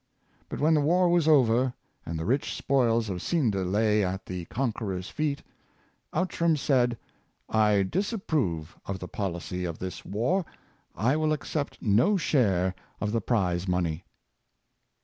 But when the war was over, and the rich spoils of Scinde lay at the con queror's feet, Outram said: "I disapprove of the policy of this war — I will accept no share of the prize money!